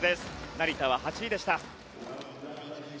成田は８位でした。